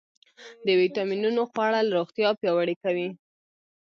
د ویټامینونو خوړل روغتیا پیاوړې کوي.